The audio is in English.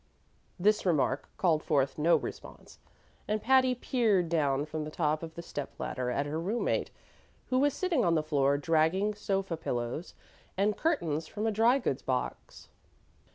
This remark called forth no response, and Patty peered down from the top of the step ladder at her room mate, who was sitting on the floor dragging sofa pillows and curtains from a dry goods box.